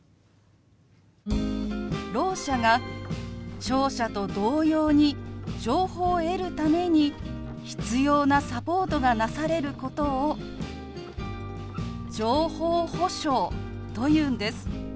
ろう者が聴者と同様に情報を得るために必要なサポートがなされることを「情報保障」というんです。